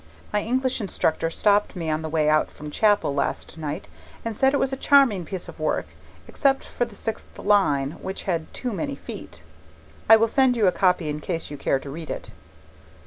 My English instructor stopped me on the way out from chapel last night, and said it was a charming piece of work except for the sixth line, which had too many feet. I will send you a copy in case you care to read it.